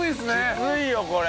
きついよこれ。